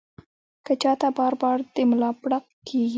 کۀ چاته بار بار د ملا پړق کيږي